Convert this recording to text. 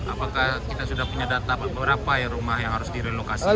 apakah kita sudah punya data berapa rumah yang harus direlokasi